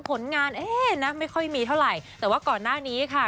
ผลงานเอ๊ะนะไม่ค่อยมีเท่าไหร่แต่ว่าก่อนหน้านี้ค่ะ